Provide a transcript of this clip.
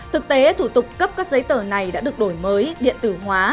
thực tế thủ tục cấp các giấy tờ này đã được đổi mới điện tử hóa